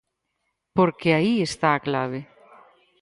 Porque aí está a clave.